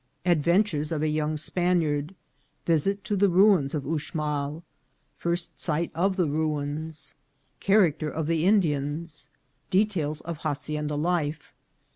— Adventures of a young Spaniard* — Visit to the Ruins of Uxmal. — First Sight of the Ruins. — Character of the Indians.— Details of Hacienda Life.